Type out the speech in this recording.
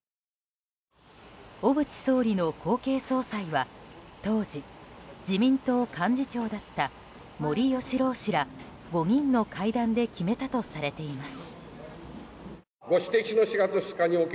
小渕総理の後継総裁は当時、自民党幹事長だった森喜朗氏ら５人の会談で決めたとされています。